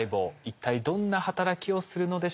一体どんな働きをするのでしょうか？